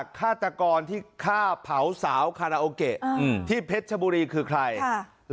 ฆาตกรที่ฆ่าเผาสาวคาราโอเกะอืมที่เพชรชบุรีคือใคร